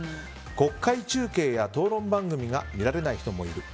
国会中継や討論番組が見られない人もいる。